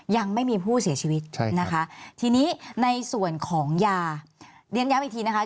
ยังไม่มีผู้เสียชีวิตนะคะทีนี้ในส่วนของยาเรียนย้ำอีกทีนะคะ